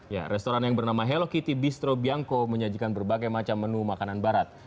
ya restoran yang bernama hello kitty bistro biangco menyajikan berbagai macam menu makanan barat